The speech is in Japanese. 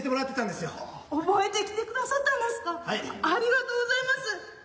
ありがとうございます。